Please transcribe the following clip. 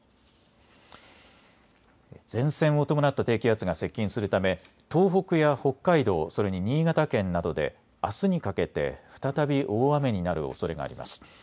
前線を伴った低気圧が接近するため、東北や北海道それに新潟県などであすにかけて再び大雨になるおそれがあります。